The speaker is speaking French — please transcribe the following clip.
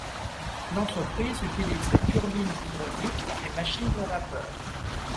L'entreprise utilise des turbines hydrauliques et des machines à vapeur.